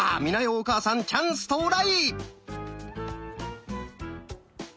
お母さんチャンス到来！